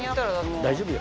大丈夫よ。